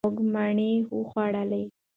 مونږه مڼې وخوړلې.